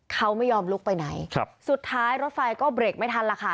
เขาไม่ยอมลุกไปไหนครับสุดท้ายรถไฟก็เบรกไม่ทันล่ะค่ะ